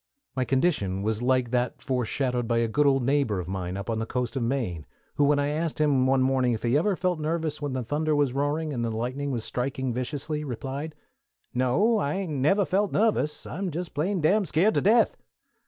My condition was like that foreshadowed by a good old neighbor of mine up on the coast of Maine, who when I asked him one morning if he ever felt nervous when the thunder was roaring, and the lightning was striking viciously, replied, "No, I hain't never felt nervous: _I'm jest plain dam skeert to death!